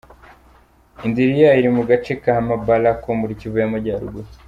Indiri yayo iri mu gace ka Mabalako muri Kivu y'amajyaruguru.